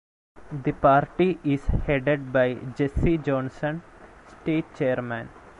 The party is headed by Jesse Johnson, State Chairman.